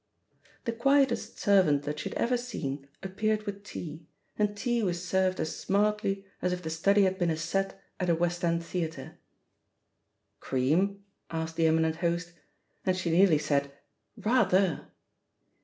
The quietest servant that she had ever seen appeared with tea, and tea was served as smartly as if the study had been a "set" at a West End theatre. "Cream?" asked the eminent host; and she nearly said, "Rather!"